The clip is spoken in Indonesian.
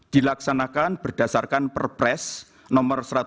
dilaksanakan berdasarkan perpres no satu ratus empat belas